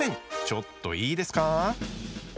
ちょっといいですか？